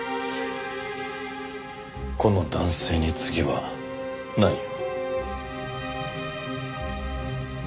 この男性に次は何を？